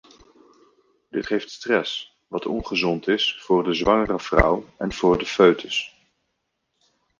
Dit geeft stress, wat ongezond is voor de zwangere vrouw en voor de foetus.